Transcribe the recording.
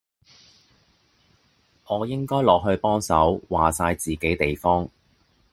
我應該落去幫手，話哂自己地方